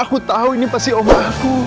aku tau ini pasti omah aku